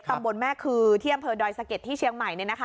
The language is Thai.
ตำบลแม่คือที่อำเภอดอยสะเก็ดที่เชียงใหม่